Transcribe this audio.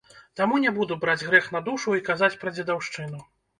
Таму не буду браць грэх на душу і казаць пра дзедаўшчыну.